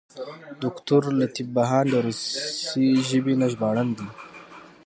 دوکتور لطیف بهاند د روسي ژبې نه ژباړن دی.